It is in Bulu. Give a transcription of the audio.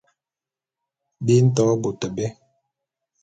Bi nto bôt bé.